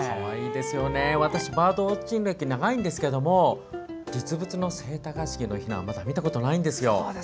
私バードウォッチング歴長いんですけど実物のセイタカシギのひなはまだ見たことがないんですよ。